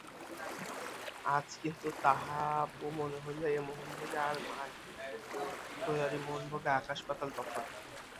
আজ কিন্তু তাহাব মনে হইল এ মোহনভোগে আর মাযের তৈয়ারি মোহনভোগে আকাশ-পাতাল তফাত!